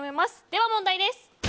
では、問題です。